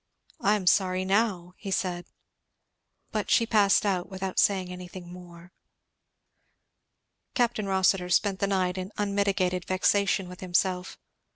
"I am sorry now," he said. But she passed out without saying anything more. Capt. Rossitur passed the night in unmitigated vexation with himself.